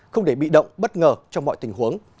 không để bị động bất ngờ trong mọi tình huống